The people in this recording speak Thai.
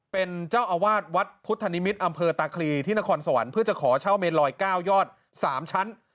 เป็นเจ้าอาวาสวัดพุทธนิมิตรอำเภอตาคลีที่นครสวรรค์เพื่อจะขอเช่าเมนลอย๙ยอด๓ชั้น